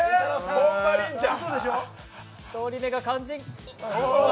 ほんま、りんちゃん。